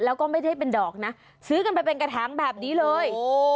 แล้วก็ไม่ได้เป็นดอกนะซื้อกันไปเป็นกระถางแบบนี้เลย